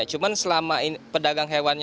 cuma selama pedagang hewannya